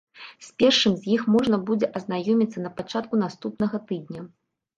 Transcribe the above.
З першым з іх можна будзе азнаёміцца на пачатку наступнага тыдня.